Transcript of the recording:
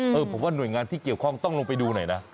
ผมว่าหน่วยงานที่เกี่ยวข้องต้องลงไปดูหน่อยนะ